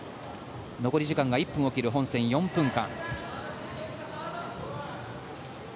残り時間が１分を切る本戦４分間。